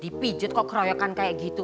dipijut kok keroyokan kayak gitu